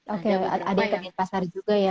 oke ada di pasar juga ya